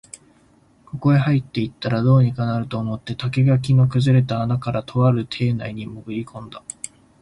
ここへ入ったら、どうにかなると思って竹垣の崩れた穴から、とある邸内にもぐり込んだ